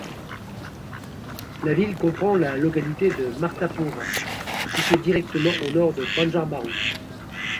La ville comprend la localité de Martapura, située directement au nord de Banjarbaru.